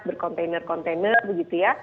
berkontainer kontainer begitu ya